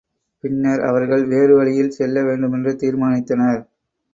பின்னர் அவர்கள் வேறு வழியில் செல்லவேண்டுமென்று தீர்மானித்தனர்.